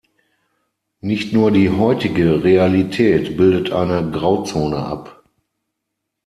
Nicht nur die heutige Realität bildet eine Grauzone ab.